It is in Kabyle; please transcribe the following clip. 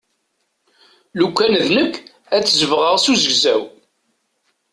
Lukan d nekk ad t-sebɣeɣ s uzegzaw.